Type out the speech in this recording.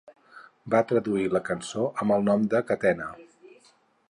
Van traduir la cançó amb el nom de ‘Catena’.